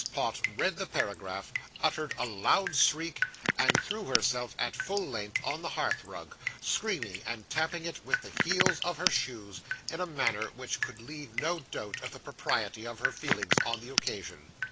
Pott read the paragraph, uttered a loud shriek, and threw herself at full length on the hearth rug, screaming, and tapping it with the heels of her shoes, in a manner which could leave no doubt of the propriety of her feelings on the occasion.